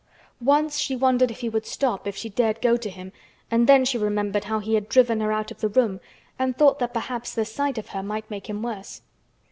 Once she wondered if he would stop if she dared go to him and then she remembered how he had driven her out of the room and thought that perhaps the sight of her might make him worse.